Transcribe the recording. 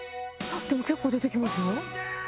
でも結構出てきますよ。